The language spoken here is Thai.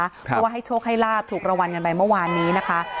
เพราะว่าให้โชคให้ลาบถูกรางวัลกันไปเมื่อวานนี้นะคะ